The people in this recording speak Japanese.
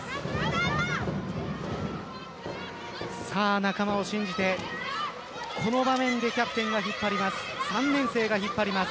仲間を信じてこの場面でキャプテンが引っ張ります。